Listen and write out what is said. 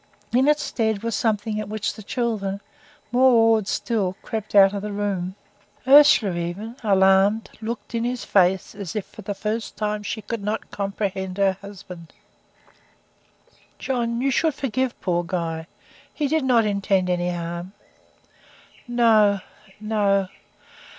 In its stead was something at which the children, more awed still, crept out of the room. Ursula even, alarmed, looked in his face as if for the first time she could not comprehend her husband. "John, you should forgive poor Guy! he did not intend any harm." "No no."